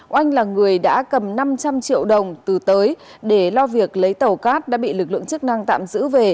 oanh là người đã cầm năm trăm linh triệu đồng từ tới để lo việc lấy tàu cát đã bị lực lượng chức năng tạm giữ về